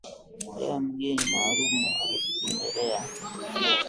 Leo mgeni maalum atatutembelea